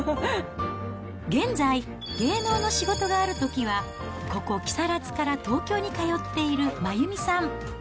現在、芸能の仕事があるときは、ここ、木更津から東京に通っている真弓さん。